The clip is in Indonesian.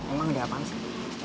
emang diapain sih